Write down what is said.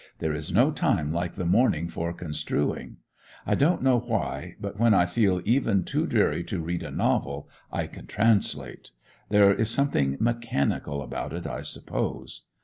There is no time like the morning for construing. I don't know why, but when I feel even too dreary to read a novel I can translate—there is something mechanical about it I suppose.